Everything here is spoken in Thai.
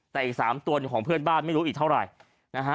แต่อีก๓ตัวของเพื่อนบ้านไม่รู้อีกเท่าไหร่นะฮะ